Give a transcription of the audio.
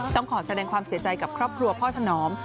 ต้องขอแสดงความเสียใจกับครอบครัวพ่อสนอม